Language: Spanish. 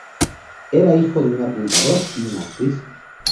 Era hijo de un apuntador y una actriz.